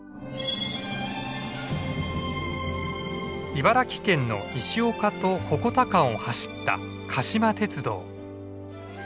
茨城県の石岡と鉾田間を走った鹿島鉄道。